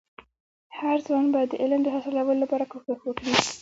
هرځوان باید د علم د حاصلولو لپاره کوښښ وکړي.